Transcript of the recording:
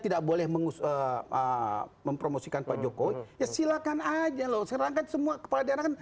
tidak boleh mengusahakan mempromosikan pak jokowi silakan aja loh serangkan semua kepala daerah